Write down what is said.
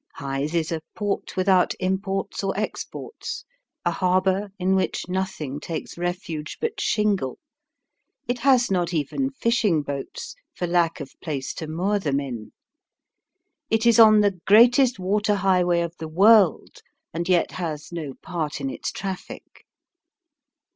Hythe is a port without imports or exports, a harbour in which nothing takes refuge but shingle. It has not even fishing boats, for lack of place to moor them in. It is on the greatest water highway of the world, and yet has no part in its traffic.